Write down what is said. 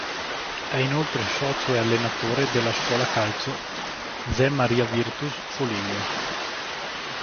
È inoltre socio e allenatore della scuola calcio "Zé Maria-Virtus Foligno".